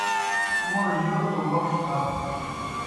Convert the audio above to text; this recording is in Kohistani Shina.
موْڑ جوْ توْ موْݜ تھہ۔